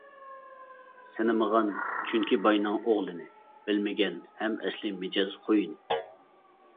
سىنىمىغان چۈنكى باينىڭ ئوغلىنى، بىلمىگەن ھەم ئەسلى مىجەز، خۇيىنى.